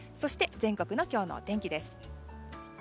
全国の今日のお天気です。